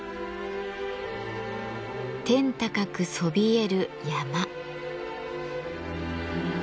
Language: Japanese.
天高くそびえる山。